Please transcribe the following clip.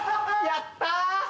やったぁ。